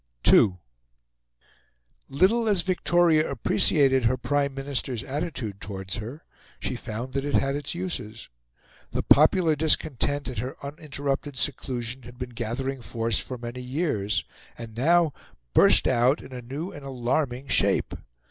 II Little as Victoria appreciated her Prime Minister's attitude towards her, she found that it had its uses. The popular discontent at her uninterrupted seclusion had been gathering force for many years, and now burst out in a new and alarming shape.